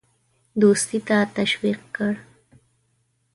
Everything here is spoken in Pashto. دوستی ته تشویق کړ.